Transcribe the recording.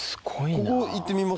ここいってみます？